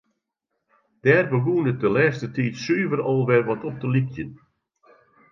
Dêr begûn it de lêste tiid suver al wer wat op te lykjen.